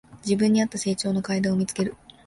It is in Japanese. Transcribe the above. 自分にあった成長の階段を見つける